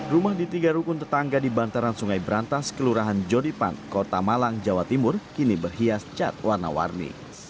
rumah di tiga rukun tetangga di bantaran sungai berantas kelurahan jodipan kota malang jawa timur kini berhias cat warna warni